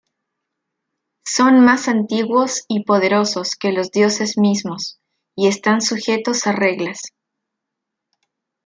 Son más antiguos y poderosos que los dioses mismos, y están sujetos a reglas.